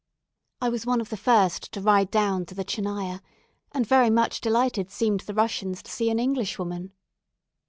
I was one of the first to ride down to the Tchernaya, and very much delighted seemed the Russians to see an English woman.